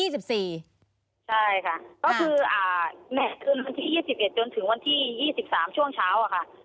ใช่ค่ะก็คือคืนวันที่๒๑จนถึงวันที่๒๓ช่วงเช้าอะค่ะ